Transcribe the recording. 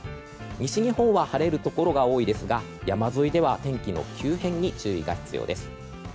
西日本は晴れるところが多いですが山沿いでは天気の急変に注意が必要です。